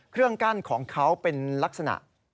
เครื่องกั้นของเขาเป็นลักษณะ